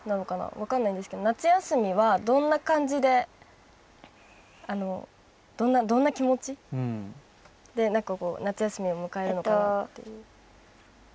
分かんないんですけど夏休みはどんな感じでどんな気持ちで夏休みを迎えるのかなっていう。